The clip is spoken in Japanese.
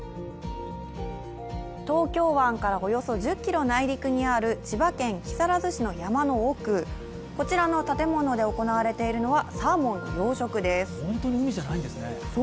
東京湾からおよそ１０ｋｍ内陸にある千葉県木更津市の山の奥、こちらの建物で行われているのはサーモンの養殖です。